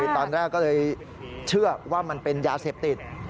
ตอนแรกก็เลยเชื่อว่ามันเป็นยาเสพติด